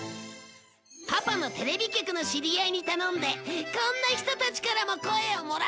パパのテレビ局の知り合いに頼んでこんな人たちからも声をもらったよ！